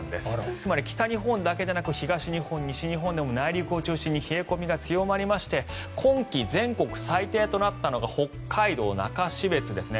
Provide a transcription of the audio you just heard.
つまり北日本だけでなく東日本、西日本でも内陸を中心に冷え込みが強まりまして今季全国最低となったのが北海道中標津ですね。